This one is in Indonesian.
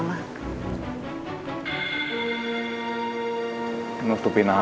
apa sih yang lagi kamu tutupin sama mama